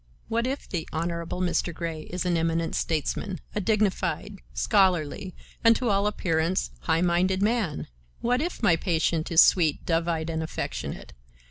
what if the Honorable Mr. Grey is an eminent statesman, a dignified, scholarly, and to all appearance, high minded man? what if my patient is sweet, dove eyed and affectionate?